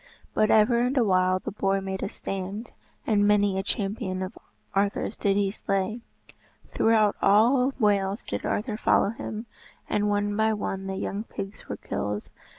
But ever and awhile the boar made a stand, and many a champion of Arthur's did he slay. Throughout all Wales did Arthur follow him, and one by one the young pigs were killed.